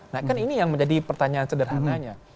nah kan ini yang menjadi pertanyaan sederhananya